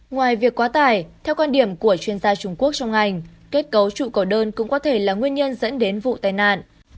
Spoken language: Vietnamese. ngoài việc quá tải theo quan điểm của chuyên gia trung quốc trong ngành kết cấu trụ cỏ đơn cũng có thể là nguyên nhân dẫn đến vụ tai nạn